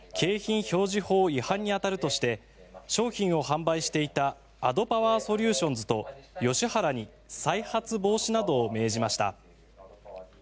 表示法違反に当たるとして商品を販売していたアドパワー・ソリューションズとヨシハラに再発防止などを命じました。